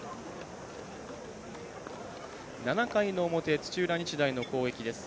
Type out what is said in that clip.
７回の表、土浦日大の攻撃です。